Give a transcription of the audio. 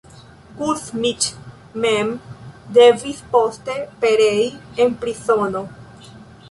Kuzmiĉ mem devis poste perei en prizono.